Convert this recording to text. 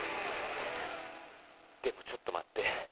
でもちょっと待って。